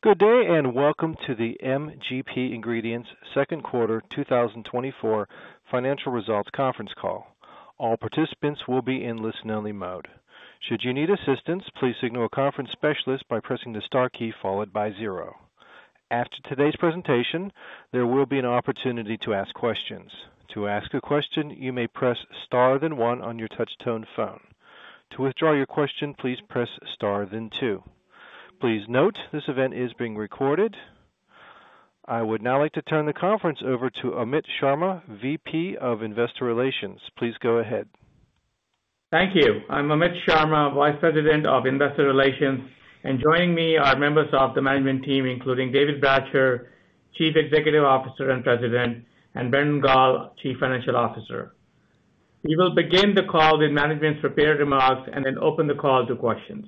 Good day, and welcome to the MGP Ingredients Second Quarter 2024 Financial Results Conference Call. All participants will be in listen-only mode. Should you need assistance, please signal a conference specialist by pressing the star key followed by zero. After today's presentation, there will be an opportunity to ask questions. To ask a question, you may press star then one on your touchtone phone. To withdraw your question, please press star then two. Please note, this event is being recorded. I would now like to turn the conference over to Amit Sharma, VP of Investor Relations. Please go ahead. Thank you. I'm Amit Sharma, Vice President of Investor Relations, and joining me are members of the management team, including David Bratcher, Chief Executive Officer and President, and Brandon Gall, Chief Financial Officer. We will begin the call with management's prepared remarks and then open the call to questions.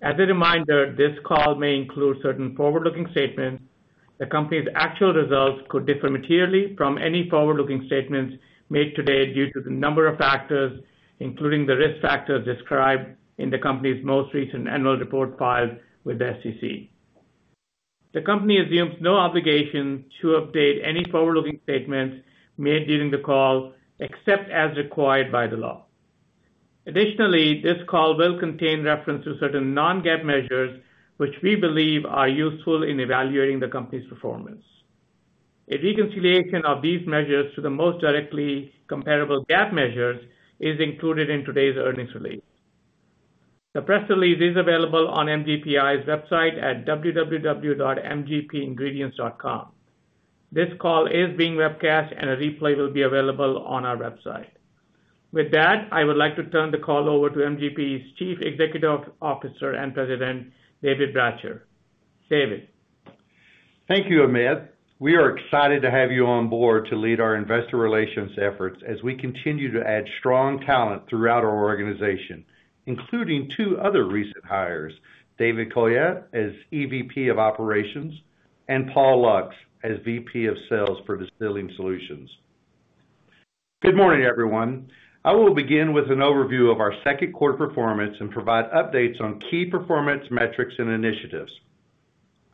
As a reminder, this call may include certain forward-looking statements. The company's actual results could differ materially from any forward-looking statements made today due to the number of factors, including the risk factors described in the company's most recent annual report filed with the SEC. The company assumes no obligation to update any forward-looking statements made during the call, except as required by the law. Additionally, this call will contain reference to certain non-GAAP measures, which we believe are useful in evaluating the company's performance. A reconciliation of these measures to the most directly comparable GAAP measures is included in today's earnings release. The press release is available on MGPI's website at www.mgpingredients.com. This call is being webcast, and a replay will be available on our website. With that, I would like to turn the call over to MGP's Chief Executive Officer and President, David Bratcher. David? Thank you, Amit. We are excited to have you on board to lead our investor relations efforts as we continue to add strong talent throughout our organization, including two other recent hires, David Colyott, as EVP of Operations, and Paul Lux as VP of Sales for Distilling Solutions. Good morning, everyone. I will begin with an overview of our second quarter performance and provide updates on key performance metrics and initiatives.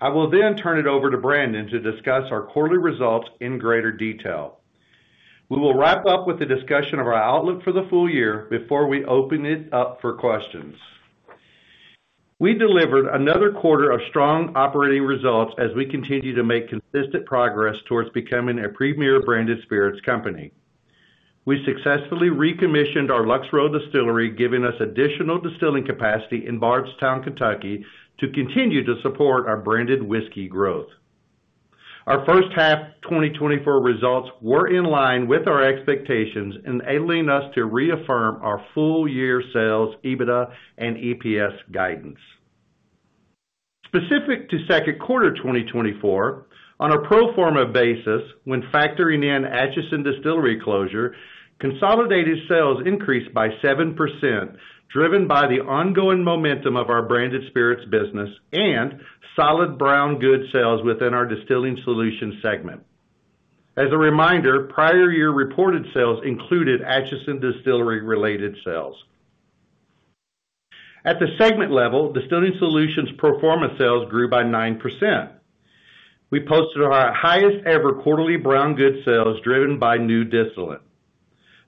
I will then turn it over to Brandon to discuss our quarterly results in greater detail. We will wrap up with a discussion of our outlook for the full year before we open it up for questions. We delivered another quarter of strong operating results as we continue to make consistent progress towards becoming a premier Branded Spirits company. We successfully recommissioned our Lux Row Distillery, giving us additional distilling capacity in Bardstown, Kentucky, to continue to support our branded whiskey growth. Our first half 2024 results were in line with our expectations, enabling us to reaffirm our full year sales, EBITDA and EPS guidance. Specific to second quarter 2024, on a pro forma basis, when factoring in Atchison Distillery closure, consolidated sales increased by 7%, driven by the ongoing momentum of our Branded Spirits business and solid Brown Goods sales within our Distilling Solutions segment. As a reminder, prior year reported sales included Atchison Distillery-related sales. At the segment level, Distilling Solutions pro forma sales grew by 9%. We posted our highest ever quarterly Brown Goods sales, driven by new distillate.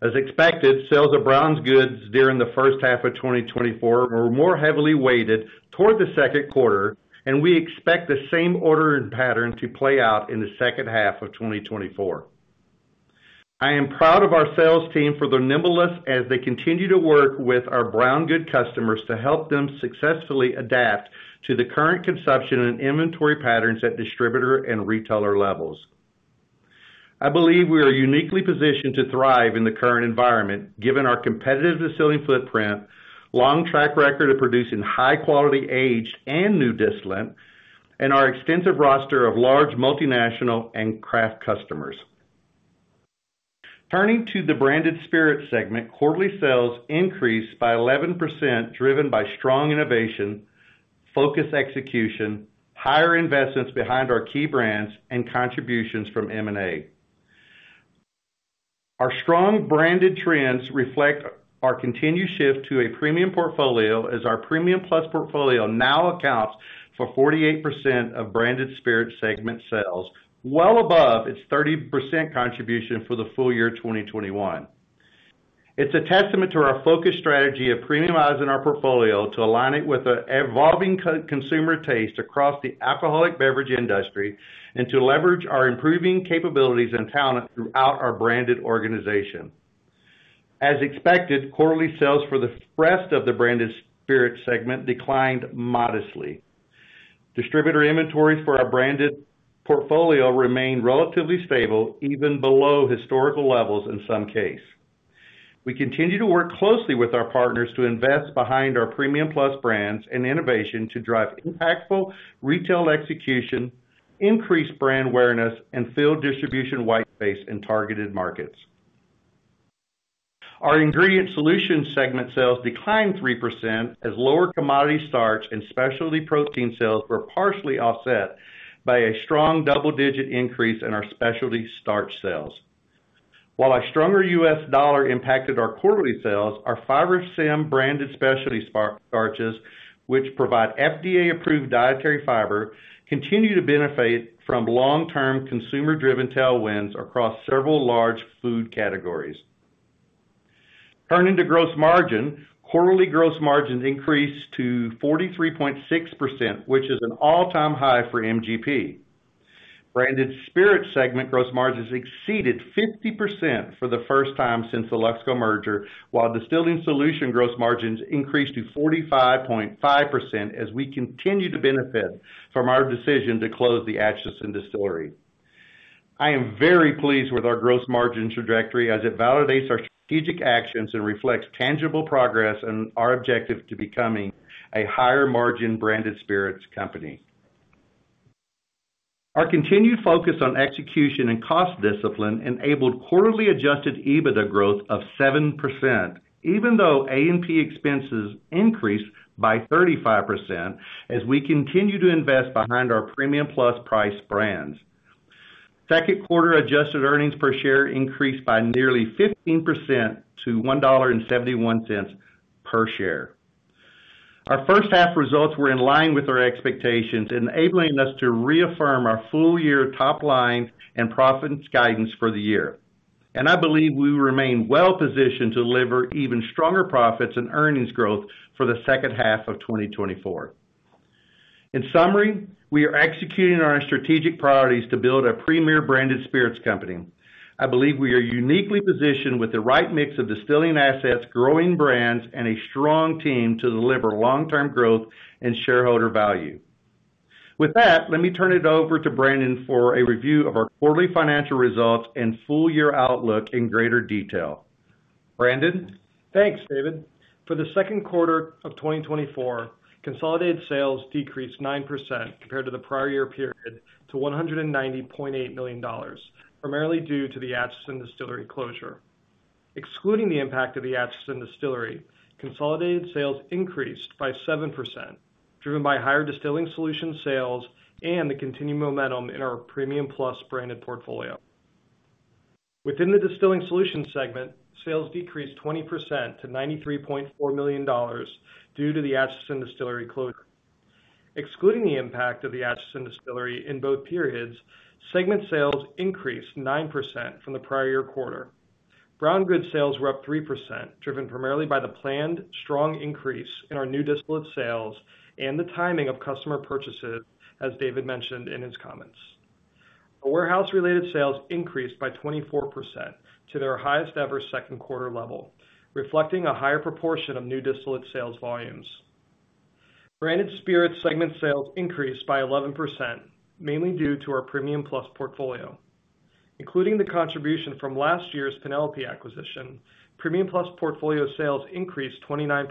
As expected, sales of Brown Goods during the first half of 2024 were more heavily weighted toward the second quarter, and we expect the same ordering pattern to play out in the second half of 2024. I am proud of our sales team for their nimbleness as they continue to work with our Brown Goods customers to help them successfully adapt to the current consumption and inventory patterns at distributor and retailer levels. I believe we are uniquely positioned to thrive in the current environment, given our competitive distilling footprint, long track record of producing high quality, aged and new distillate, and our extensive roster of large multinational and craft customers. Turning to the Branded Spirits segment, quarterly sales increased by 11%, driven by strong innovation, focused execution, higher investments behind our key brands, and contributions from M&A. Our strong branded trends reflect our continued shift to a premium portfolio, as our Premium Plus portfolio now accounts for 48% of Branded Spirits segment sales, well above its 30% contribution for the full year 2021. It's a testament to our focused strategy of premiumizing our portfolio to align it with the evolving consumer taste across the alcoholic beverage industry and to leverage our improving capabilities and talent throughout our branded organization. As expected, quarterly sales for the rest of the Branded Spirits segment declined modestly. Distributor inventories for our branded portfolio remained relatively stable, even below historical levels in some cases. We continue to work closely with our partners to invest behind our Premium Plus brands and innovation to drive impactful retail execution, increase brand awareness, and fill distribution white space in targeted markets. Our Ingredient Solutions segment sales declined 3% as lower commodity starch and specialty protein sales were partially offset by a strong double-digit increase in our specialty starch sales. While our stronger U.S. dollar impacted our quarterly sales, our Fibersym branded specialty starches, which provide FDA-approved dietary fiber, continue to benefit from long-term consumer-driven tailwinds across several large food categories. Turning to gross margin, quarterly gross margins increased to 43.6%, which is an all-time high for MGP. Branded Spirits segment gross margins exceeded 50% for the first time since the Luxco merger, while Distilling Solutions gross margins increased to 45.5% as we continue to benefit from our decision to close the Atchison Distillery. I am very pleased with our gross margin trajectory as it validates our strategic actions and reflects tangible progress in our objective to becoming a higher margin Branded Spirits company. Our continued focus on execution and cost discipline enabled quarterly adjusted EBITDA growth of 7%, even though A&P expenses increased by 35% as we continue to invest behind our Premium Plus price brands. Second quarter adjusted earnings per share increased by nearly 15% to $1.71 per share. Our first half results were in line with our expectations, enabling us to reaffirm our full-year top line and profits guidance for the year, and I believe we remain well positioned to deliver even stronger profits and earnings growth for the second half of 2024. In summary, we are executing our strategic priorities to build a premier Branded Spirits company. I believe we are uniquely positioned with the right mix of distilling assets, growing brands, and a strong team to deliver long-term growth and shareholder value. With that, let me turn it over to Brandon for a review of our quarterly financial results and full year outlook in greater detail. Brandon? Thanks, David. For the second quarter of 2024, consolidated sales decreased 9% compared to the prior year period to $190.8 million, primarily due to the Atchison Distillery closure. Excluding the impact of the Atchison Distillery, consolidated sales increased by 7%, driven by higher Distilling Solutions sales and the continued momentum in our Premium Plus branded portfolio. Within the Distilling Solutions segment, sales decreased 20% to $93.4 million due to the Atchison Distillery closure. Excluding the impact of the Atchison Distillery in both periods, segment sales increased 9% from the prior year quarter. Brown goods sales were up 3%, driven primarily by the planned strong increase in our new distillate sales and the timing of customer purchases, as David mentioned in his comments. Our warehouse-related sales increased by 24% to their highest ever second quarter level, reflecting a higher proportion of new distillate sales volumes. Branded Spirits segment sales increased by 11%, mainly due to our Premium Plus portfolio. Including the contribution from last year's Penelope acquisition, Premium Plus portfolio sales increased 29%,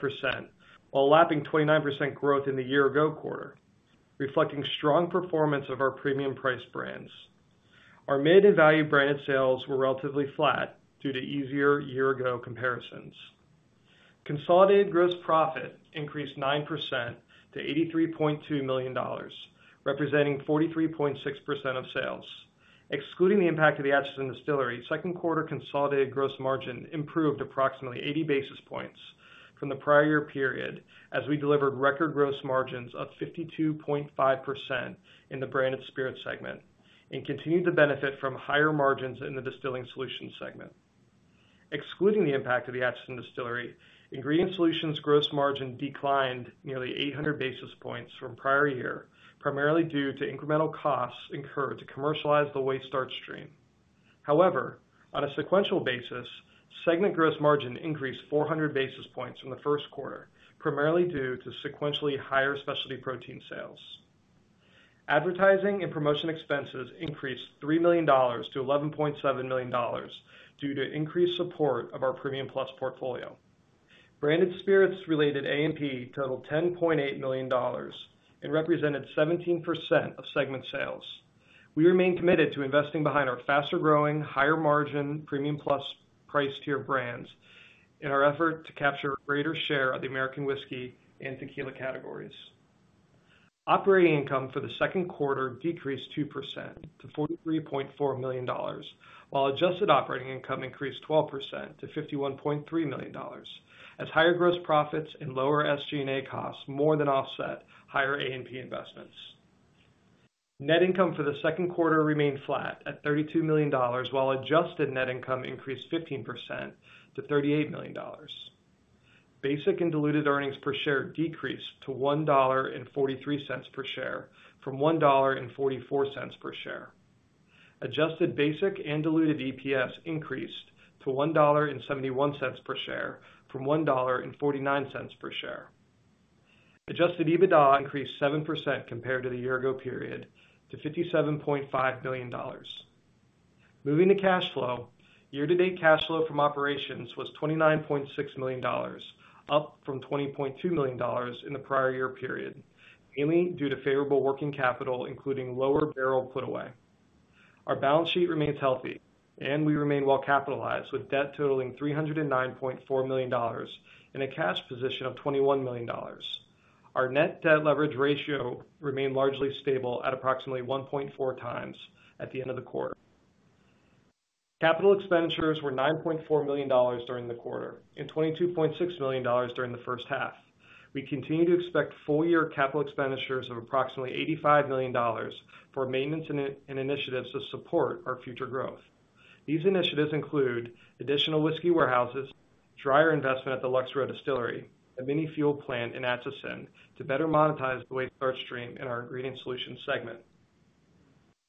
while lapping 29% growth in the year ago quarter, reflecting strong performance of our premium price brands. Our mid and value branded sales were relatively flat due to easier year-ago comparisons. Consolidated gross profit increased 9% to $83.2 million, representing 43.6% of sales. Excluding the impact of the Atchison Distillery, second quarter consolidated gross margin improved approximately 80 basis points from the prior year period, as we delivered record gross margins of 52.5% in the Branded Spirits segment and continued to benefit from higher margins in the Distilling Solutions segment. Excluding the impact of the Atchison Distillery, Ingredient Solutions gross margin declined nearly 800 basis points from prior year, primarily due to incremental costs incurred to commercialize the waste starch stream. However, on a sequential basis, segment gross margin increased 400 basis points from the first quarter, primarily due to sequentially higher specialty protein sales. Advertising and promotion expenses increased $3 million to $11.7 million due to increased support of our Premium Plus portfolio. Branded Spirits related A&P totaled $10.8 million and represented 17% of segment sales. We remain committed to investing behind our faster growing, higher margin, Premium Plus price tier brands in our effort to capture a greater share of the American whiskey and tequila categories. Operating income for the second quarter decreased 2% to $43.4 million, while adjusted operating income increased 12% to $51.3 million, as higher gross profits and lower SG&A costs more than offset higher A&P investments. Net income for the second quarter remained flat at $32 million, while adjusted net income increased 15% to $38 million. Basic and diluted earnings per share decreased to $1.43 per share from $1.44 per share. Adjusted basic and diluted EPS increased to $1.71 per share from $1.49 per share. Adjusted EBITDA increased 7% compared to the year ago period, to $57.5 million. Moving to cash flow, year-to-date cash flow from operations was $29.6 million, up from $20.2 million in the prior year period, mainly due to favorable working capital, including lower barrel put away. Our balance sheet remains healthy, and we remain well capitalized, with debt totaling $309.4 million and a cash position of $21 million. Our net debt leverage ratio remained largely stable at approximately 1.4 times at the end of the quarter. Capital expenditures were $9.4 million during the quarter and $22.6 million during the first half. We continue to expect full-year capital expenditures of approximately $85 million for maintenance and initiatives to support our future growth. These initiatives include additional whiskey warehouses, dryer investment at the Lux Row Distillery, a mini fuel plant in Atchison to better monetize the waste starch stream in our Ingredient Solutions segment.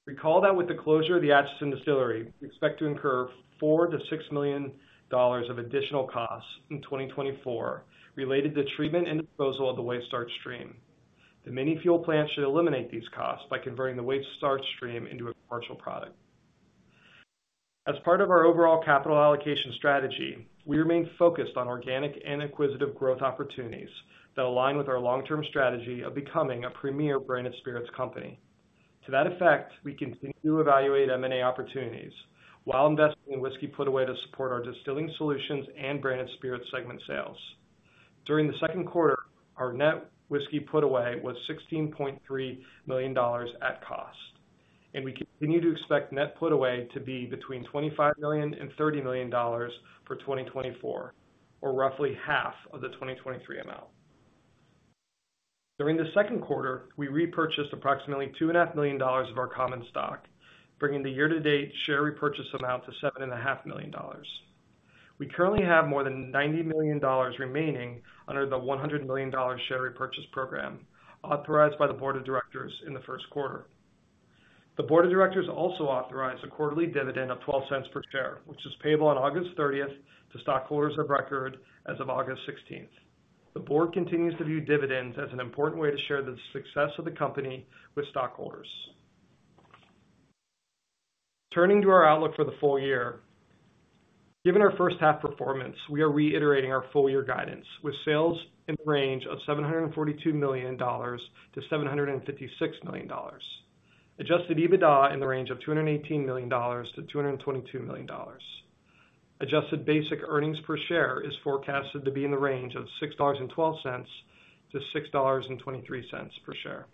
Recall that with the closure of the Atchison Distillery, we expect to incur $4 million-$6 million of additional costs in 2024 related to treatment and disposal of the waste starch stream. The mini fuel plant should eliminate these costs by converting the waste starch stream into a commercial product. As part of our overall capital allocation strategy, we remain focused on organic and acquisitive growth opportunities that align with our long-term strategy of becoming a premier Branded Spirits company. To that effect, we continue to evaluate M&A opportunities while investing in whiskey put away to support our Distilling Solutions and Branded Spirits segment sales. During the second quarter, our net whiskey put away was $16.3 million at cost, and we continue to expect net put away to be between $25 million and $30 million for 2024, or roughly half of the 2023 amount. During the second quarter, we repurchased approximately $2.5 million of our common stock, bringing the year-to-date share repurchase amount to $7.5 million. We currently have more than $90 million remaining under the $100 million share repurchase program authorized by the board of directors in the first quarter. The board of directors also authorized a quarterly dividend of $0.12 per share, which is payable on August 30th to stockholders of record as of August 16th. The board continues to view dividends as an important way to share the success of the company with stockholders. Turning to our outlook for the full year. Given our first half performance, we are reiterating our full year guidance, with sales in the range of $742 million-$756 million. Adjusted EBITDA in the range of $218 million-$222 million. Adjusted basic earnings per share is forecasted to be in the range of $6.12-$6.23 per share,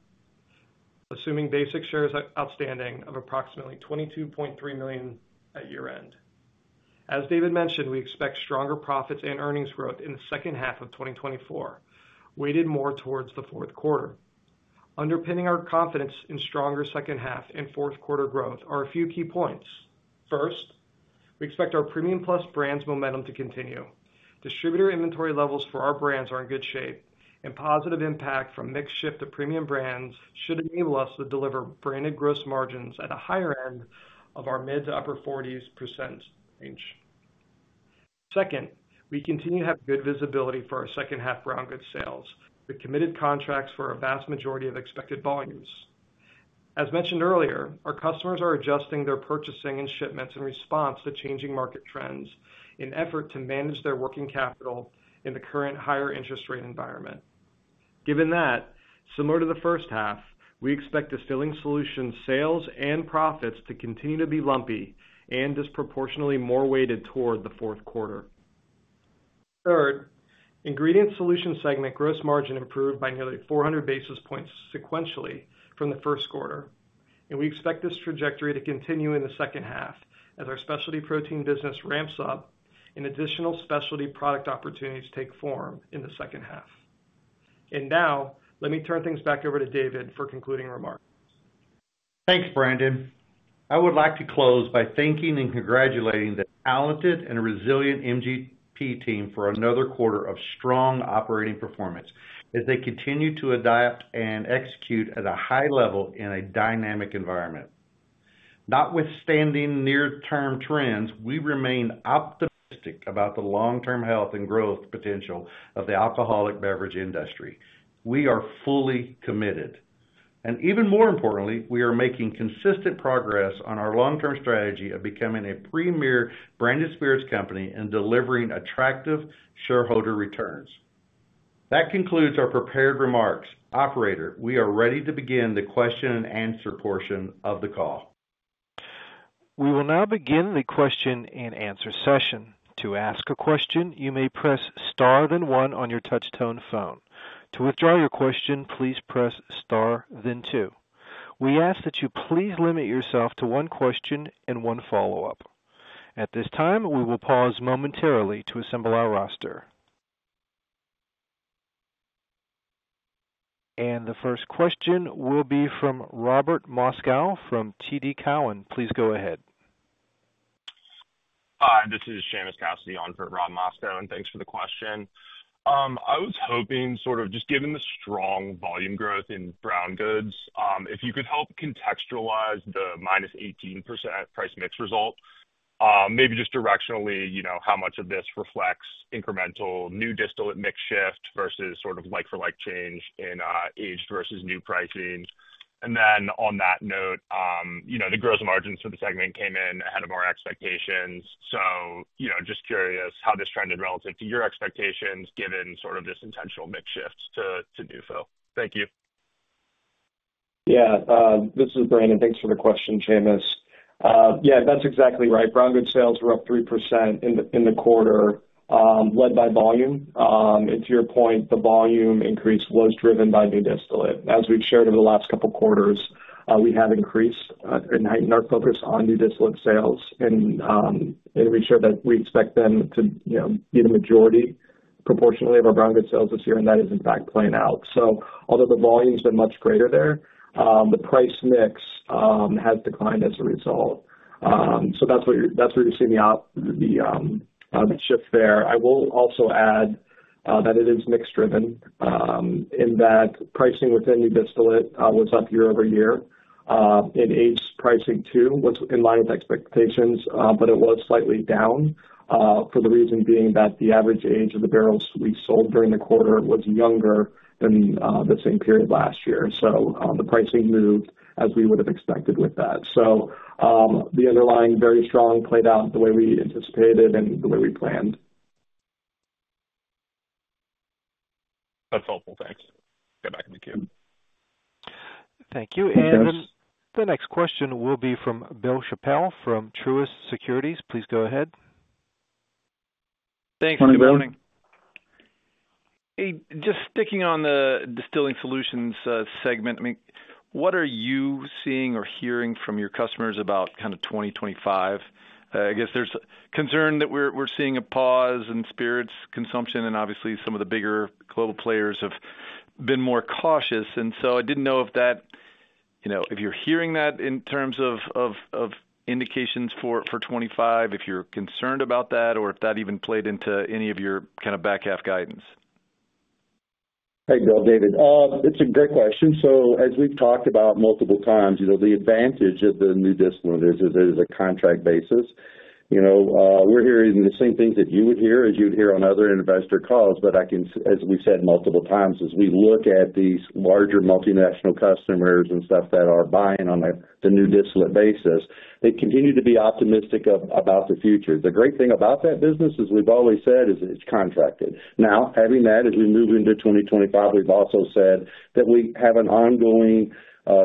assuming basic shares outstanding of approximately 22.3 million at year-end. As David mentioned, we expect stronger profits and earnings growth in the second half of 2024, weighted more towards the fourth quarter. Underpinning our confidence in stronger second half and fourth quarter growth are a few key points. First, we expect our Premium Plus brands momentum to continue. Distributor inventory levels for our brands are in good shape, and positive impact from mix shift to premium brands should enable us to deliver branded gross margins at a higher end of our mid- to upper 40s% range. Second, we continue to have good visibility for our second half Brown Goods sales with committed contracts for a vast majority of expected volumes. As mentioned earlier, our customers are adjusting their purchasing and shipments in response to changing market trends in effort to manage their working capital in the current higher interest rate environment. Given that, similar to the first half, we expect Distilling Solutions sales and profits to continue to be lumpy and disproportionately more weighted toward the fourth quarter. Third, Ingredient Solutions segment gross margin improved by nearly 400 basis points sequentially from the first quarter, and we expect this trajectory to continue in the second half as our specialty protein business ramps up and additional specialty product opportunities take form in the second half. And now, let me turn things back over to David for concluding remarks. Thanks, Brandon. I would like to close by thanking and congratulating the talented and resilient MGP team for another quarter of strong operating performance as they continue to adapt and execute at a high level in a dynamic environment. Notwithstanding near-term trends, we remain optimistic about the long-term health and growth potential of the alcoholic beverage industry. We are fully committed, and even more importantly, we are making consistent progress on our long-term strategy of becoming a premier Branded Spirits company and delivering attractive shareholder returns. That concludes our prepared remarks. Operator, we are ready to begin the question and answer portion of the call. We will now begin the question-and-answer session. To ask a question, you may press star, then one on your touchtone phone. To withdraw your question, please press star, then two. We ask that you please limit yourself to one question and one follow-up. At this time, we will pause momentarily to assemble our roster. The first question will be from Robert Moskow from TD Cowen. Please go ahead. Hi, this is Seamus Cassidy on for Rob Moskow, and thanks for the question. I was hoping, sort of just given the strong volume growth in Brown Goods, if you could help contextualize the -18% price mix result, maybe just directionally, you know, how much of this reflects incremental new distillate mix shift versus sort of like-for-like change in aged versus new pricing? And then on that note, you know, the gross margins for the segment came in ahead of our expectations. So, you know, just curious how this trended relative to your expectations, given sort of this intentional mix shift to new distillate. Thank you. Yeah, this is Brandon. Thanks for the question, Seamus. Yeah, that's exactly right. Brown Goods sales were up 3% in the quarter, led by volume. And to your point, the volume increase was driven by new distillate. As we've shared over the last couple of quarters, we have increased and heightened our focus on new distillate sales, and we shared that we expect them to, you know, be the majority proportionately of our Brown Goods sales this year, and that is in fact playing out. So although the volumes are much greater there, the price mix has declined as a result. So that's where you're seeing the shift there. I will also add that it is mix driven, in that pricing within new distillate was up year-over-year. And aged pricing, too, was in line with expectations, but it was slightly down, for the reason being that the average age of the barrels we sold during the quarter was younger than the same period last year. So, the pricing moved as we would have expected with that. So, the underlying very strong, played out the way we anticipated and the way we planned. That's helpful. Thanks. Goodbye. Thank you. Thank you. Thanks. The next question will be from Bill Chappell from Truist Securities. Please go ahead. Thanks. Good morning. Morning, Bill. Hey, just sticking on the Distilling Solutions segment, I mean, what are you seeing or hearing from your customers about kind of 2025? I guess there's concern that we're seeing a pause in spirits consumption, and obviously, some of the bigger global players have been more cautious. And so I didn't know if that, you know, if you're hearing that in terms of indications for 2025, if you're concerned about that, or if that even played into any of your kind of back half guidance. Hey, Bill, David. It's a great question. So as we've talked about multiple times, you know, the advantage of the new distillate is, it is a contract basis. You know, we're hearing the same things that you would hear, as you'd hear on other investor calls. But as we've said multiple times, as we look at these larger multinational customers and stuff that are buying on a, the new distillate basis, they continue to be optimistic about the future. The great thing about that business is, we've always said, is it's contracted. Now, having that, as we move into 2025, we've also said that we have an ongoing,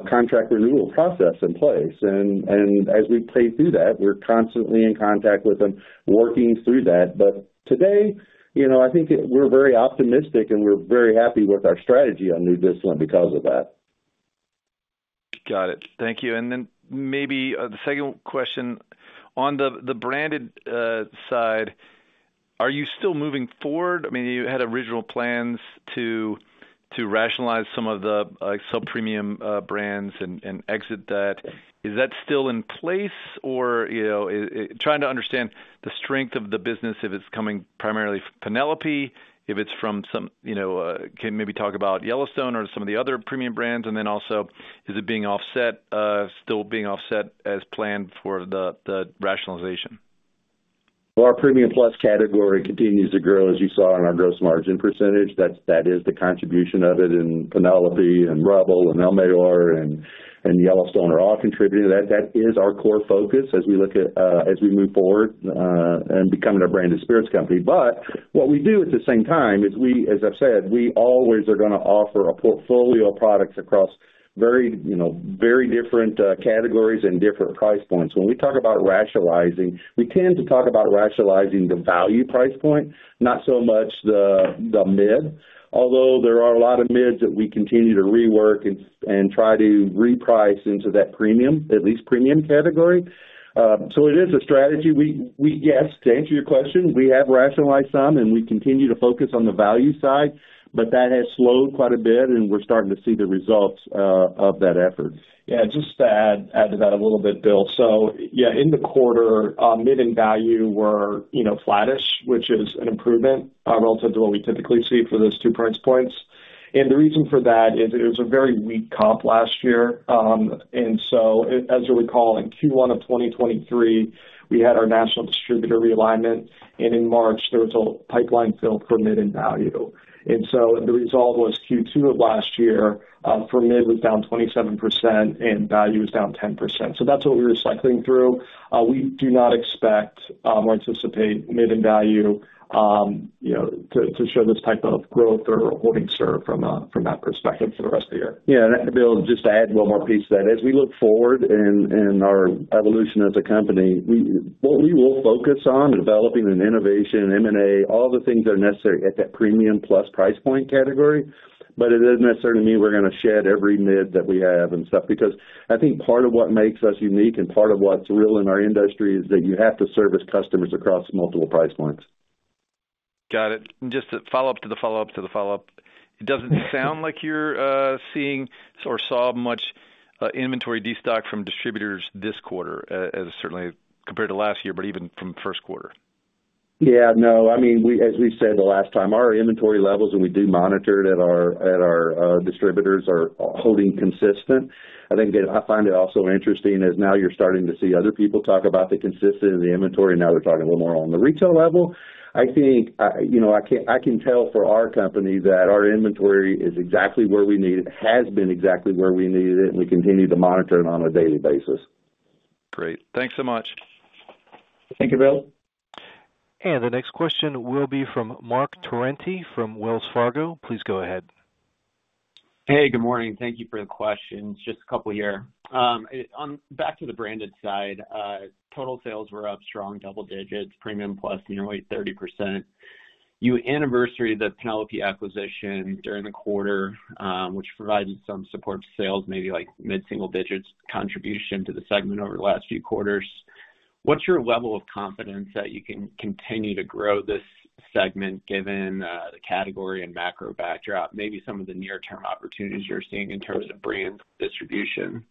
contract renewal process in place. And as we play through that, we're constantly in contact with them, working through that. But today, you know, I think we're very optimistic, and we're very happy with our strategy on new distillate because of that. Got it. Thank you. And then maybe the second question: on the, the branded side, are you still moving forward? I mean, you had original plans to rationalize some of the sub premium brands and exit that. Is that still in place? Or, you know, trying to understand the strength of the business, if it's coming primarily from Penelope, if it's from some, you know, can maybe talk about Yellowstone or some of the other premium brands. And then also, is it being offset still being offset as planned for the rationalization? Well, our Premium Plus category continues to grow, as you saw in our gross margin percentage. That's, that is the contribution of it, and Penelope and Rebel and El Mayor and, and Yellowstone are all contributing to that. That is our core focus as we look at, as we move forward, and becoming a Branded Spirits company. But what we do at the same time is we, as I've said, we always are gonna offer a portfolio of products across very, you know, very different, categories and different price points. When we talk about rationalizing, we tend to talk about rationalizing the value price point, not so much the, the mid. Although there are a lot of mids that we continue to rework and, and try to reprice into that premium, at least premium category. So it is a strategy. We, we... Yes, to answer your question, we have rationalized some, and we continue to focus on the value side, but that has slowed quite a bit, and we're starting to see the results of that effort. Yeah, just to add, add to that a little bit, Bill. So yeah, in the quarter, mid and value were, you know, flattish, which is an improvement, relative to what we typically see for those two price points. And the reason for that is it was a very weak comp last year. And so as you'll recall, in Q1 of 2023, we had our national distributor realignment, and in March, there was a pipeline fill for mid and value. And so the result was Q2 of last year, for mid, was down 27% and value was down 10%. So that's what we were cycling through. We do not expect, or anticipate mid and value, you know, to show this type of growth or holding serve from, from that perspective for the rest of the year. Yeah, and Bill, just to add one more piece to that. As we look forward in our evolution as a company, we—what we will focus on in developing an innovation, M&A, all the things that are necessary at that Premium Plus price point category, but it doesn't necessarily mean we're gonna shed every mid that we have and stuff, because I think part of what makes us unique and part of what's real in our industry is that you have to service customers across multiple price points. Got it. Just a follow-up to the follow-up to the follow-up. It doesn't sound like you're seeing or saw much inventory destock from distributors this quarter, as certainly compared to last year, but even from first quarter. Yeah, no, I mean, we—as we've said the last time, our inventory levels, and we do monitor it at our distributors, are holding consistent. I think, again, I find it also interesting is now you're starting to see other people talk about the consistency in the inventory, now they're talking a little more on the retail level. I think, you know, I can tell for our company that our inventory is exactly where we need it, has been exactly where we needed it, and we continue to monitor it on a daily basis. Great. Thanks so much. Thank you, Bill. The next question will be from Marc Torrente from Wells Fargo. Please go ahead. Hey, good morning. Thank you for the questions. Just a couple here. On, back to the branded side, total sales were up strong double digits, Premium Plus nearly 30%. You anniversaried the Penelope acquisition during the quarter, which provided some support to sales, maybe like mid-single digits contribution to the segment over the last few quarters. What's your level of confidence that you can continue to grow this segment, given the category and macro backdrop, maybe some of the near-term opportunities you're seeing in terms of brand distribution?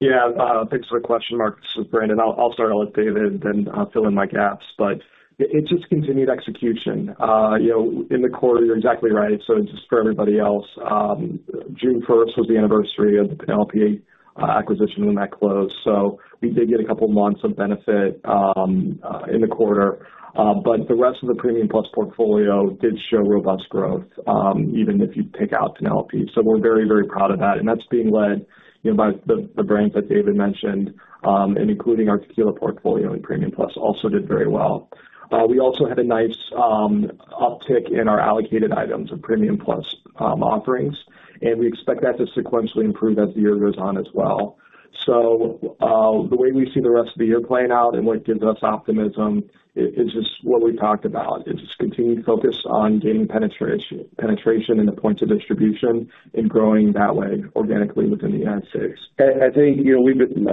Yeah, thanks for the question, Marc. This is Brandon. I'll start out with David, and then fill in my gaps. But it's just continued execution. You know, in the quarter, you're exactly right, so just for everybody else, June 1st was the anniversary of the Penelope acquisition when that closed. So we did get a couple months of benefit in the quarter. But the rest of the Premium Plus portfolio did show robust growth, even if you take out Penelope. So we're very, very proud of that, and that's being led, you know, by the brands that David mentioned, and including our tequila portfolio in Premium Plus also did very well. We also had a nice uptick in our allocated items of Premium Plus offerings, and we expect that to sequentially improve as the year goes on as well. So, the way we see the rest of the year playing out and what gives us optimism is just what we talked about. It's just continued focus on gaining penetration in the points of distribution and growing that way organically within the United States. I think, you know, we've been,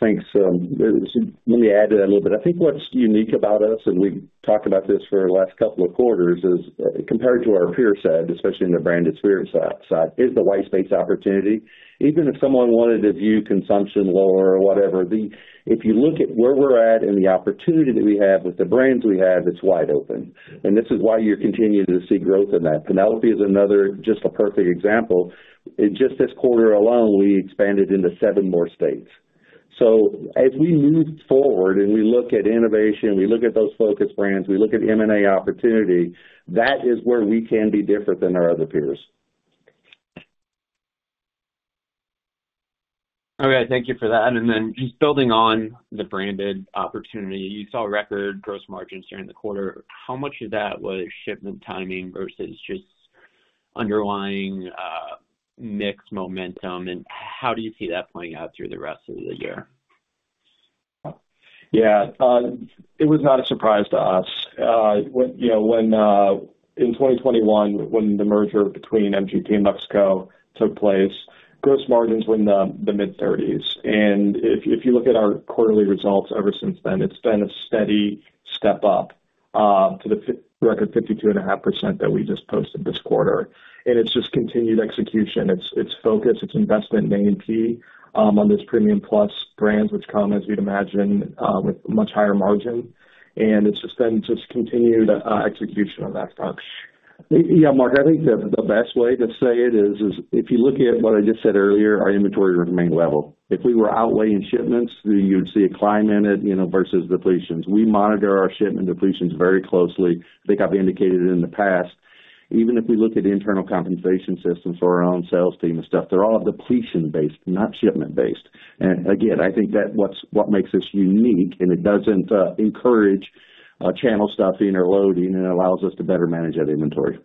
thanks. Let me add to that a little bit. I think what's unique about us, and we've talked about this for the last couple of quarters, is, compared to our peer set, especially in the Branded Spirits side, is the white space opportunity. Even if someone wanted to view consumption lower or whatever, the, if you look at where we're at and the opportunity that we have with the brands we have, it's wide open. And this is why you're continuing to see growth in that. Penelope is another, just a perfect example. In just this quarter alone, we expanded into seven more states. So as we move forward and we look at innovation, we look at those focus brands, we look at M&A opportunity, that is where we can be different than our other peers. All right, thank you for that. And then just building on the branded opportunity, you saw record gross margins during the quarter. How much of that was shipment timing versus just underlying, mix momentum, and how do you see that playing out through the rest of the year? Yeah, it was not a surprise to us. When, you know, when, in 2021, when the merger between MGP and Luxco took place, gross margins were in the mid-30s. And if you look at our quarterly results ever since then, it's been a steady step up to the record 52.5% that we just posted this quarter. And it's just continued execution. It's focus, it's investment in A&P on this premium-plus brands, which come, as you'd imagine, with much higher margin, and it's just been continued execution of that approach. Yeah, Marc, I think the best way to say it is if you look at what I just said earlier, our inventory remained level. If we were outweighing shipments, you'd see a climb in it, you know, versus depletions. We monitor our shipment depletions very closely. I think I've indicated it in the past. Even if we look at the internal compensation systems for our own sales team and stuff, they're all depletion-based, not shipment-based. And again, I think that what makes us unique, and it doesn't encourage channel stuffing or loading, and it allows us to better manage that inventory.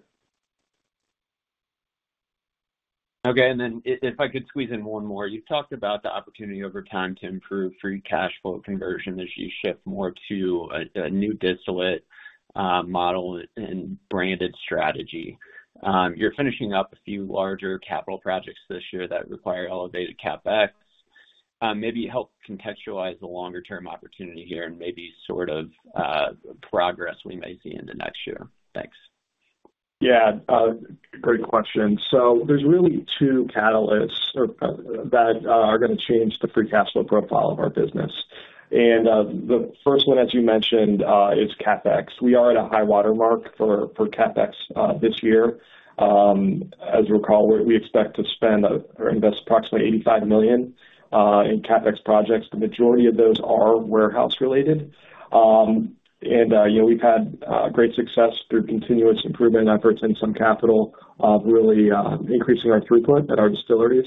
Okay, and then if I could squeeze in one more. You've talked about the opportunity over time to improve free cash flow conversion as you shift more to a, a new distillate model and branded strategy. You're finishing up a few larger capital projects this year that require elevated CapEx. Maybe help contextualize the longer-term opportunity here and maybe sort of progress we might see into next year. Thanks. Yeah, great question. So there's really two catalysts that are gonna change the free cash flow profile of our business. And the first one, as you mentioned, is CapEx. We are at a high water mark for CapEx this year. As you'll recall, we expect to spend or invest approximately $85 million in CapEx projects. The majority of those are warehouse related. And you know, we've had great success through continuous improvement efforts and some capital of really increasing our throughput at our distilleries.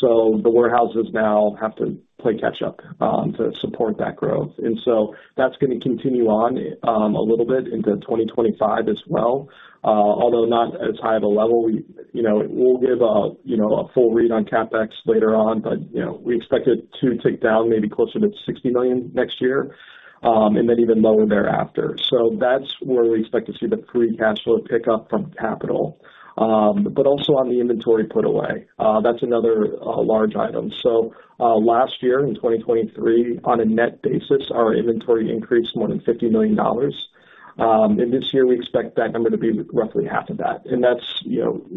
So the warehouses now have to play catch up to support that growth. And so that's gonna continue on a little bit into 2025 as well, although not as high of a level. We, you know, we'll give a, you know, a full read on CapEx later on, but, you know, we expect it to tick down maybe closer to $60 million next year, and then even lower thereafter. So that's where we expect to see the free cash flow pick up from capital. But also on the inventory put away. That's another large item. So, last year, in 2023, on a net basis, our inventory increased more than $50 million. And this year we expect that number to be roughly $25 million. And that's, you know,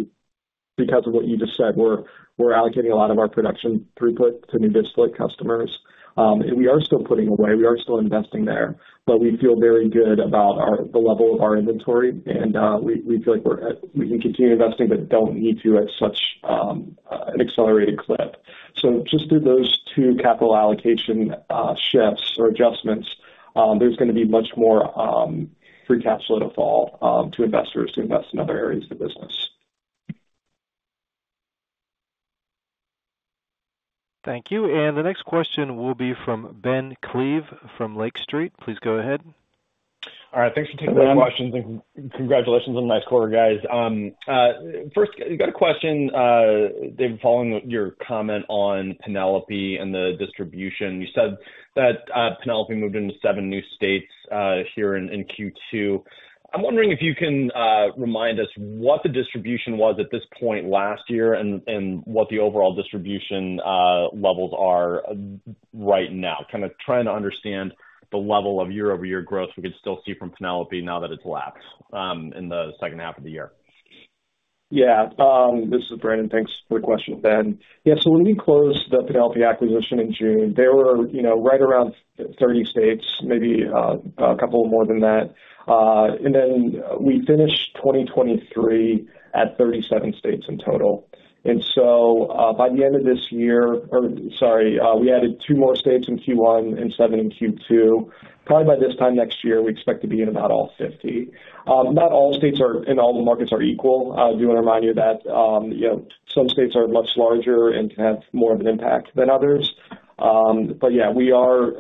because of what you just said, we're, we're allocating a lot of our production throughput to new distillate customers. And we are still putting away, we are still investing there, but we feel very good about the level of our inventory, and we feel like we can continue investing, but don't need to at such an accelerated clip. So just through those two capital allocation shifts or adjustments, there's gonna be much more free cash flow to fall to investors to invest in other areas of the business. Thank you. And the next question will be from Ben Klieve from Lake Street. Please go ahead. All right, thanks for taking my questions, and congratulations on the nice quarter, guys. First, I got a question, Dave, following your comment on Penelope and the distribution. You said that Penelope moved into seven new states here in Q2. I'm wondering if you can remind us what the distribution was at this point last year and what the overall distribution levels are right now? Kind of trying to understand the level of year-over-year growth we could still see from Penelope now that it's lapsed in the second half of the year. Yeah. This is Brandon. Thanks for the question, Ben. Yeah, so when we closed the Penelope acquisition in June, there were, you know, right around 30 states, maybe, a couple more than that. And then we finished 2023 at 37 states in total. And so, by the end of this year, or sorry, we added two more states in Q1 and seven in Q2. Probably by this time next year, we expect to be in about all 50. Not all states are, and all the markets are equal. I do want to remind you that, you know, some states are much larger and can have more of an impact than others. But yeah, we are,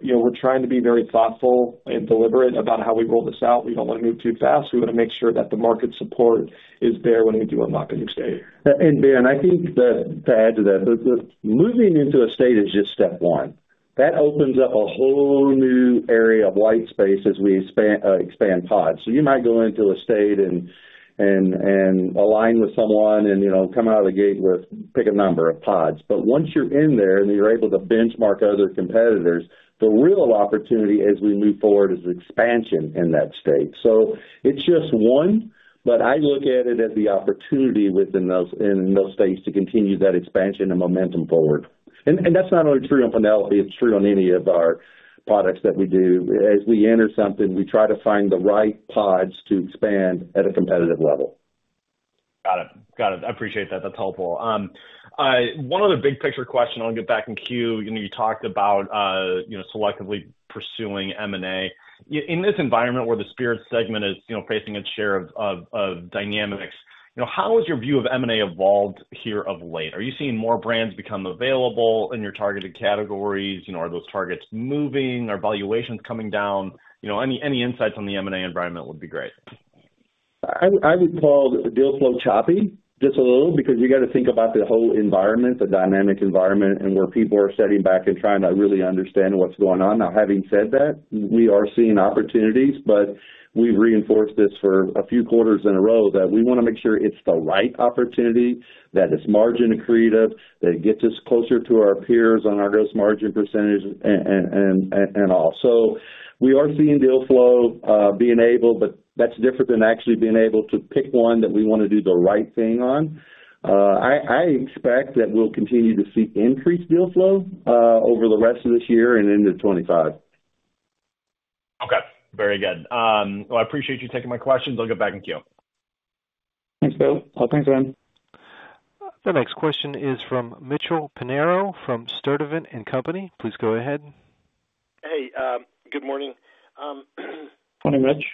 you know, we're trying to be very thoughtful and deliberate about how we roll this out. We don't want to move too fast. We want to make sure that the market support is there when we do unlock a new state. And Ben, I think that to add to that, the moving into a state is just step one. That opens up a whole new area of white space as we expand pods. So you might go into a state and align with someone and, you know, come out of the gate with, pick a number of pods. But once you're in there and you're able to benchmark other competitors, the real opportunity as we move forward is expansion in that state. So it's just one, but I look at it as the opportunity within those, in those states to continue that expansion and momentum forward. And that's not only true on Penelope, it's true on any of our products that we do. As we enter something, we try to find the right pods to expand at a competitive level. Got it. Got it. I appreciate that. That's helpful. One other big picture question, I'll get back in queue. You know, you talked about, you know, selectively pursuing M&A. In this environment where the spirit segment is, you know, facing its share of dynamics, you know, how has your view of M&A evolved here of late? Are you seeing more brands become available in your targeted categories? You know, are those targets moving? Are valuations coming down? You know, any insights on the M&A environment would be great. I would call the deal flow choppy, just a little, because you got to think about the whole environment, the dynamic environment, and where people are sitting back and trying to really understand what's going on. Now, having said that, we are seeing opportunities, but we've reinforced this for a few quarters in a row, that we want to make sure it's the right opportunity, that it's margin accretive, that it gets us closer to our peers on our gross margin percentage and all. So we are seeing deal flow being able, but that's different than actually being able to pick one that we want to do the right thing on. I expect that we'll continue to see increased deal flow over the rest of this year and into 2025. Okay, very good. Well, I appreciate you taking my questions. I'll get back in queue. Thanks, Bill. Oh, thanks, Ben. The next question is from Mitchell Pinheiro, from Sturdivant & Co. Please go ahead. Hey, good morning. Morning, Mitch.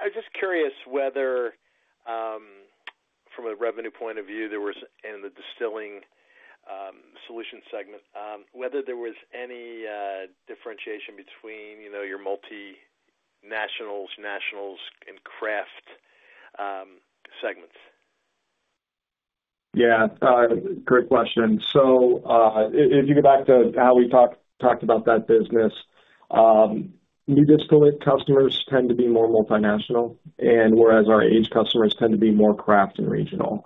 I'm just curious whether, from a revenue point of view, there was in the distilling solutions segment whether there was any differentiation between, you know, your multinationals, nationals, and craft segments? Yeah, great question. So, if you go back to how we talked about that business, new distillate customers tend to be more multinational, and whereas our aged customers tend to be more craft and regional.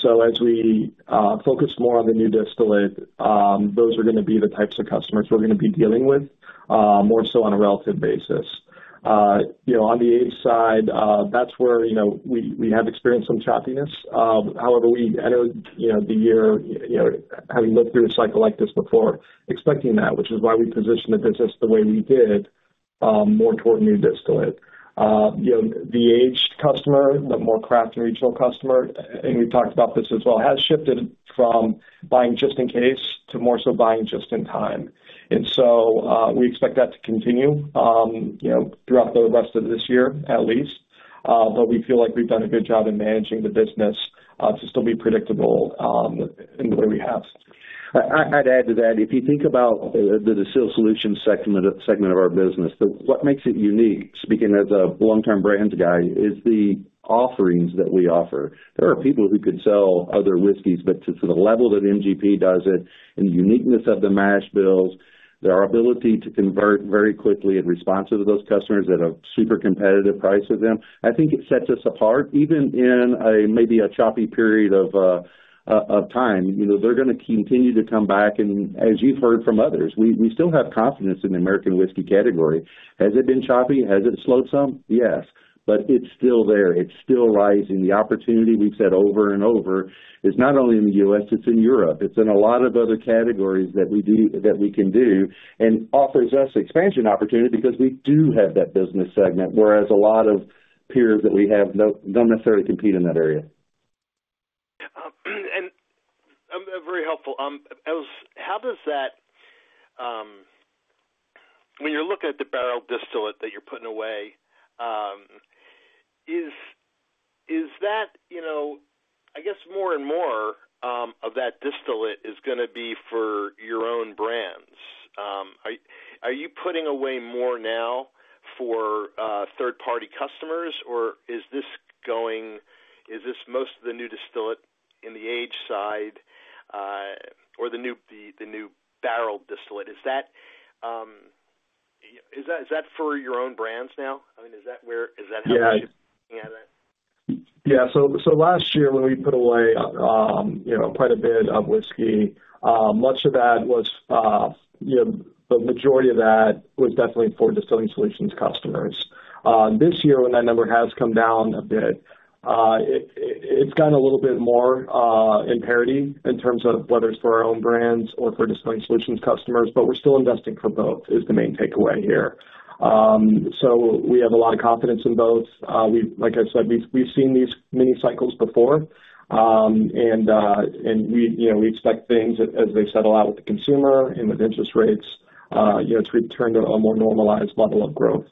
So as we focus more on the new distillate, those are gonna be the types of customers we're gonna be dealing with more so on a relative basis. You know, on the aged side, that's where you know, we have experienced some choppiness. However, we entered the year, you know, having lived through a cycle like this before, expecting that, which is why we positioned the business the way we did, more toward new distillate. You know, the aged customer, the more craft and regional customer, and we've talked about this as well, has shifted from buying just in case to more so buying just in time. And so, we expect that to continue, you know, throughout the rest of this year, at least. But we feel like we've done a good job in managing the business, to still be predictable, in the way we have. I'd add to that. If you think about the Distilling Solutions segment of our business, what makes it unique, speaking as a long-term brands guy, is the offerings that we offer. There are people who could sell other whiskeys, but to the level that MGP does it and the uniqueness of the mash bills, their ability to convert very quickly in response to those customers at a super competitive price to them, I think it sets us apart, even in a maybe choppy period of time. You know, they're gonna continue to come back, and as you've heard from others, we still have confidence in the American whiskey category. Has it been choppy? Has it slowed some? Yes, but it's still there. It's still rising. The opportunity we've said over and over is not only in the U.S., it's in Europe. It's in a lot of other categories that we can do, and offers us expansion opportunity because we do have that business segment, whereas a lot of peers that we have don't necessarily compete in that area. Very helpful. How does that, when you're looking at the barrel distillate that you're putting away, is that, you know, I guess more and more of that distillate is gonna be for your own brands. Are you putting away more now for third-party customers, or is this most of the new distillate in the age side, or the new barrel distillate? Is that for your own brands now? I mean, is that where- is that how- Yeah. Yeah. Yeah. So last year, when we put away, you know, quite a bit of whiskey, much of that was, you know, the majority of that was definitely for Distilling Solutions customers. This year, when that number has come down a bit, it's gotten a little bit more in parity in terms of whether it's for our own brands or for Distilling Solutions customers, but we're still investing for both, is the main takeaway here. So we have a lot of confidence in both. Like I said, we've seen these mini cycles before. And we, you know, we expect things as they settle out with the consumer and with interest rates, you know, to return to a more normalized level of growth.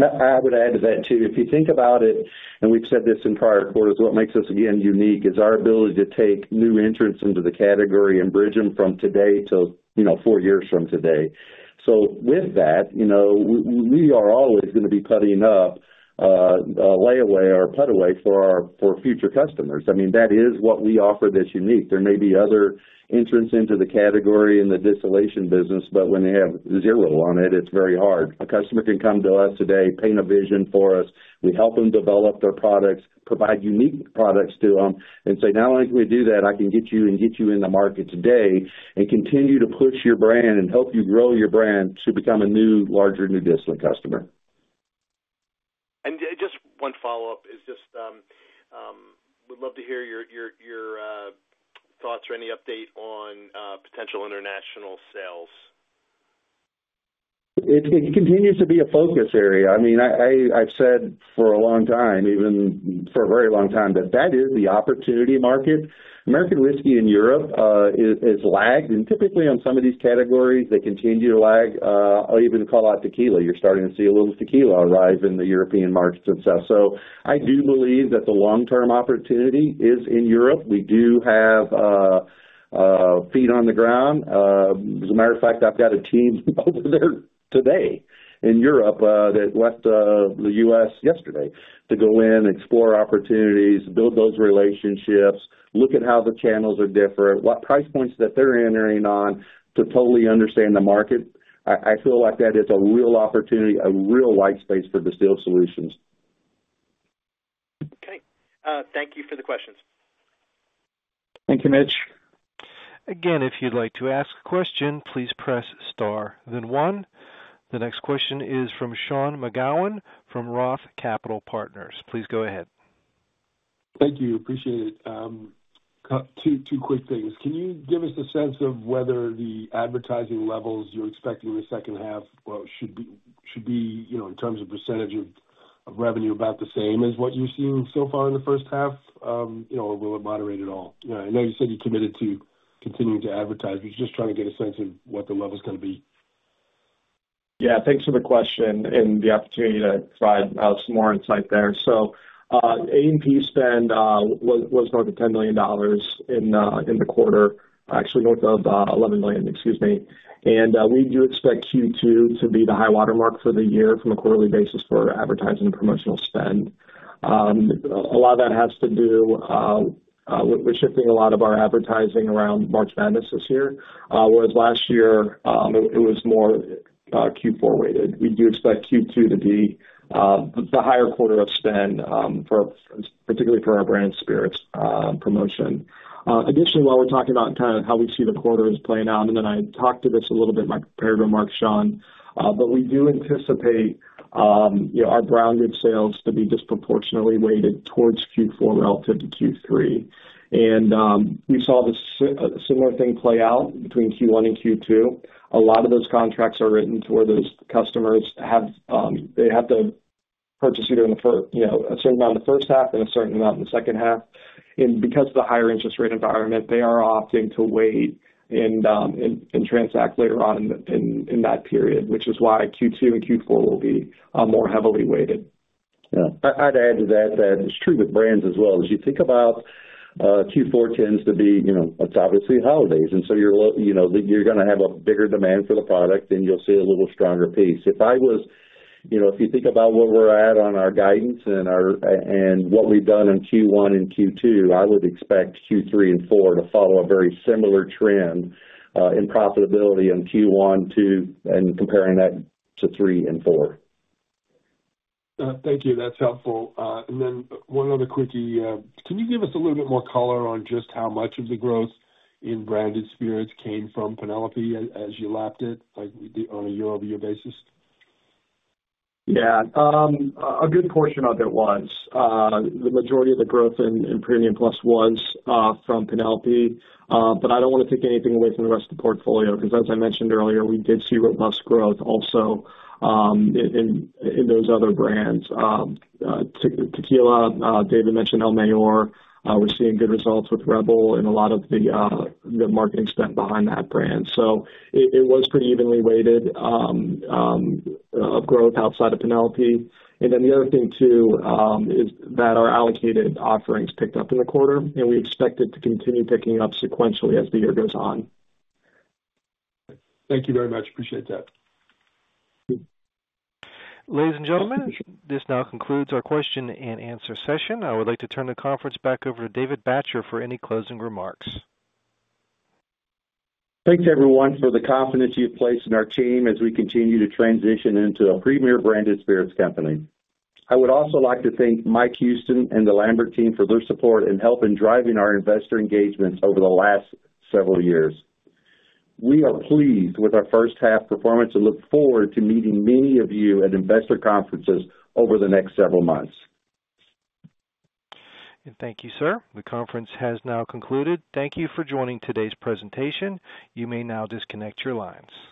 I would add to that, too. If you think about it, and we've said this in prior quarters, what makes us, again, unique is our ability to take new entrants into the category and bridge them from today to, you know, four years from today. So with that, you know, we are always gonna be putting up a layaway or put away for our, for future customers. I mean, that is what we offer that's unique. There may be other entrants into the category in the distillation business, but when they have zero on it, it's very hard. A customer can come to us today, paint a vision for us, we help them develop their products, provide unique products to them, and say, "Not only can we do that, I can get you and get you in the market today and continue to push your brand and help you grow your brand to become a new, larger, new distillate customer. Just one follow-up is just would love to hear your thoughts or any update on potential international sales. It continues to be a focus area. I mean, I've said for a long time, even for a very long time, that that is the opportunity market. American whiskey in Europe has lagged, and typically on some of these categories, they continue to lag, or even call out tequila. You're starting to see a little tequila arrive in the European markets and stuff. So I do believe that the long-term opportunity is in Europe. We do have feet on the ground. As a matter of fact, I've got a team over there today in Europe that left the U.S. yesterday to go in, explore opportunities, build those relationships, look at how the channels are different, what price points that they're entering on to totally understand the market. I feel like that is a real opportunity, a real white space for Distilling Solutions. Okay. Thank you for the questions. Thank you, Mitch. Again, if you'd like to ask a question, please press star then one. The next question is from Sean McGowan, from Roth Capital Partners. Please go ahead. Thank you. Appreciate it. Two quick things. Can you give us a sense of whether the advertising levels you're expecting in the second half should be, you know, in terms of percentage of revenue, about the same as what you've seen so far in the first half? You know, or will it moderate at all? I know you said you're committed to continuing to advertise, but just trying to get a sense of what the level is gonna be. Yeah, thanks for the question and the opportunity to provide some more insight there. So, A&P spend was north of $10 million in the quarter. Actually, north of $11 million, excuse me. And we do expect Q2 to be the high watermark for the year from a quarterly basis for advertising and promotional spend. A lot of that has to do with shifting a lot of our advertising around March Madness this year. Whereas last year, it was more Q4 weighted. We do expect Q2 to be the higher quarter of spend for particularly for our brand spirits promotion. Additionally, while we're talking about kind of how we see the quarter is playing out, and then I talked to this a little bit in my prepared remarks, Sean, but we do anticipate, you know, our branded sales to be disproportionately weighted towards Q4 relative to Q3. And we saw this similar thing play out between Q1 and Q2. A lot of those contracts are written to where those customers have, they have to purchase either in the first. You know, a certain amount in the first half and a certain amount in the second half. And because of the higher interest rate environment, they are opting to wait and transact later on in that period, which is why Q2 and Q4 will be more heavily weighted. Yeah. I'd add to that, that it's true with brands as well. As you think about, Q4 tends to be, you know, it's obviously holidays, and so you know, you're gonna have a bigger demand for the product, and you'll see a little stronger pace. You know, if you think about where we're at on our guidance and our, and what we've done in Q1 and Q2, I would expect Q3 and Q4 to follow a very similar trend, in profitability in Q1, Q2, and comparing that to Q3 and Q4. Thank you. That's helpful. And then one other quickie. Can you give us a little bit more color on just how much of the growth in Branded Spirits came from Penelope as you lapped it, like, on a year-over-year basis? Yeah. A good portion of it was. The majority of the growth in, in Premium Plus was, from Penelope. But I don't want to take anything away from the rest of the portfolio, because, as I mentioned earlier, we did see robust growth also, in, in, in those other brands. Tequila, David mentioned El Mayor. We're seeing good results with Rebel and a lot of the, the marketing spent behind that brand. So it, it was pretty evenly weighted, of growth outside of Penelope. And then the other thing, too, is that our allocated offerings picked up in the quarter, and we expect it to continue picking up sequentially as the year goes on. Thank you very much. Appreciate that. Ladies and gentlemen, this now concludes our question-and-answer session. I would like to turn the conference back over to David Bratcher for any closing remarks. Thanks, everyone, for the confidence you've placed in our team as we continue to transition into a premier Branded Spirits company. I would also like to thank Mike Houston and the Lambert team for their support and help in driving our investor engagements over the last several years. We are pleased with our first half performance and look forward to meeting many of you at investor conferences over the next several months. Thank you, sir. The conference has now concluded. Thank you for joining today's presentation. You may now disconnect your lines.